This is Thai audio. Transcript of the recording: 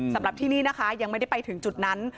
สำหรับที่นี่นะคะยังไม่ได้ไปถึงจุดนั้น